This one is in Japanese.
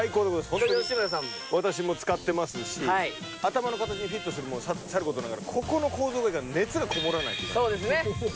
ホントに吉村さんも私も使ってますし頭の形にフィットするのもさることながらここの構造がいいから熱がこもらないそうですね